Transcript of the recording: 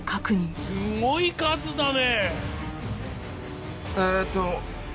すごい数だね！